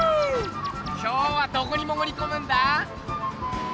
今日はどこにもぐりこむんだ？